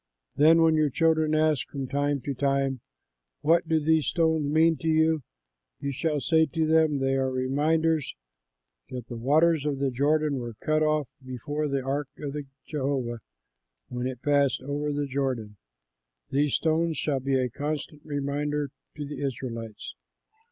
Then when your children ask from time to time: 'What do these stones mean to you?' you shall say to them, 'They are reminders that the waters of the Jordan were cut off before the ark of Jehovah, when it passed over the Jordan.' These stones shall be a constant reminder to the Israelites."